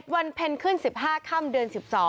๑๑๑๑วันเพลินขึ้น๑๕ค่ำเดือน๑๒